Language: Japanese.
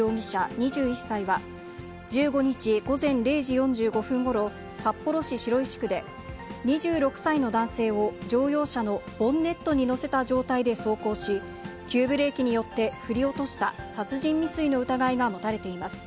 ２１歳は、１５日午前０時４５分ごろ、札幌市白石区で、２６歳の男性を乗用車のボンネットに乗せた状態で走行し、急ブレーキによって降り落とした殺人未遂の疑いが持たれています。